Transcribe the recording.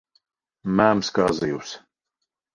Mēms kā zivs.